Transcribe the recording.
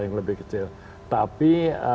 yang lebih kecil tapi